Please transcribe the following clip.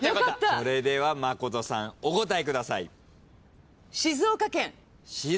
それでは真琴さんお答えください。